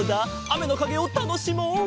あめのかげをたのしもう。